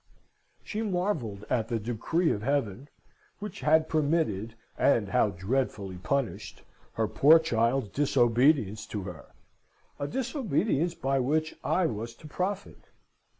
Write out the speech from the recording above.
She marvelled at the decree of Heaven, which had permitted, and how dreadfully punished! her poor child's disobedience to her a disobedience by which I was to profit.